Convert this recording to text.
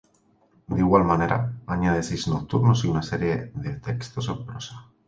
De igual manera, añade seis "nocturnos" y una serie de textos en prosa.